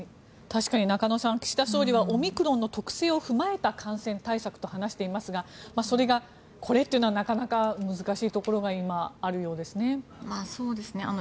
確かに中野さん岸田総理はオミクロンの特性を踏まえた感染対策と話していますがそれが、これというのはなかなか難しいところが今、あるようですね。